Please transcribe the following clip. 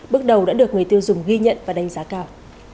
bước đầu đã được người tiêu dùng ghi nhận và đánh giá cao